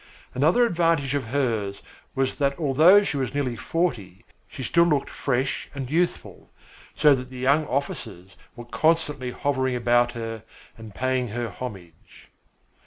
Another advantage of hers was that although she was nearly forty she still looked fresh and youthful, so that the young officers were constantly hovering about her and paying her homage.